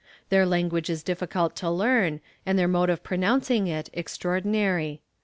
Their language is difficult to learn, and their mode of pronouncing it extraordinary.